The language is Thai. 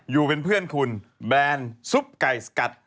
อยู่เป็นเพื่อนคุณแบนซุปไก่สกัด